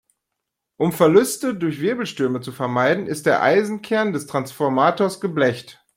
Um Verluste durch Wirbelströme zu vermeiden, ist der Eisenkern des Transformators geblecht.